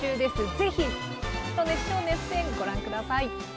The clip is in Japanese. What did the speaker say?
ぜひ、熱唱熱演ご覧ください。